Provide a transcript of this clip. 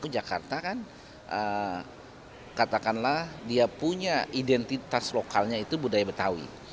jakarta kan katakanlah dia punya identitas lokalnya itu budaya betawi